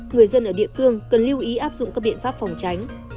người dân ở địa phương cần lưu ý áp dụng các biện pháp phòng tránh